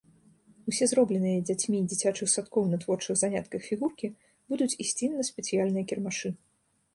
Усе зробленыя дзяцьмі дзіцячых садкоў на творчых занятках фігуркі будуць ісці на спецыяльныя кірмашы.